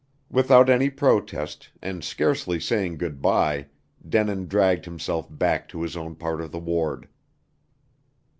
Without any protest, and scarcely saying good by, Denin dragged himself back to his own part of the ward.